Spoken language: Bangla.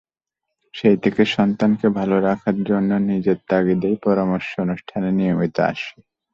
সেই থেকে সন্তানকে ভালো রাখার জন্য নিজের তাগিদেই পরামর্শ অনুষ্ঠানে নিয়মিত আসি।